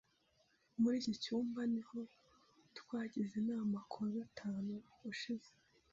Muri iki cyumba niho twagize inama kuwa gatanu ushize.